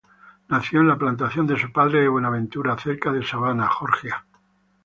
Nació en la plantación de su padre de Buenaventura, cerca de Savannah, Georgia.